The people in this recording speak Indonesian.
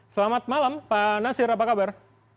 selamat malam pak nasir apa kabar